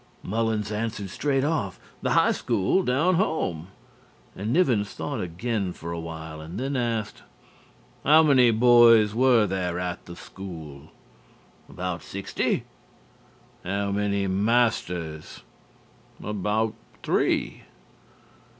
Mullins answered straight off: "The high school down home," and Nivens thought again for a while and then asked: "How many boys were at the school?" "About sixty." "How many masters?" "About three."